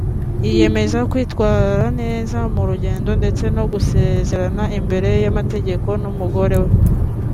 yiyemeza kwitwara neza mu rugo ndetse no gusezerana imbere y’amategeko n’umugore we